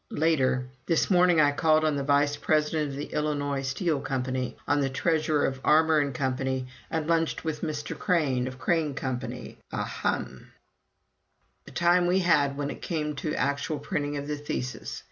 Later: "This morning I called on the Vice President of the Illinois Steel Company, on the Treasurer of Armour & Co., and lunched with Mr. Crane of Crane Co. Ahem!" The time we had when it came to the actual printing of the thesis!